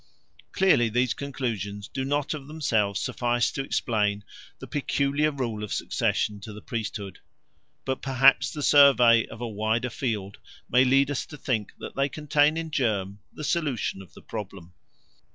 Clearly these conclusions do not of themselves suffice to explain the peculiar rule of succession to the priesthood. But perhaps the survey of a wider field may lead us to think that they contain in germ the solution of the problem.